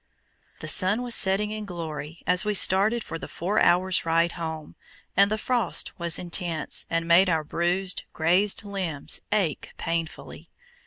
The sun was setting in glory as we started for the four hours' ride home, and the frost was intense, and made our bruised, grazed limbs ache painfully.